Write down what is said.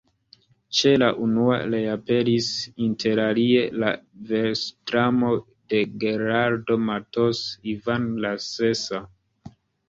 Ĉe la unua reaperis interalie la versdramo de Geraldo Mattos, Ivan la Sesa.